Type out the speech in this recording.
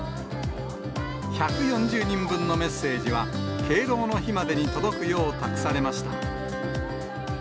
１４０人分のメッセージは、敬老の日までに届くよう託されました。